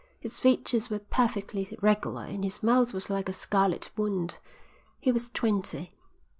His features were perfectly regular and his mouth was like a scarlet wound. He was twenty."